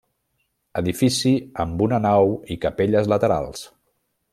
Edifici amb una nau i capelles laterals.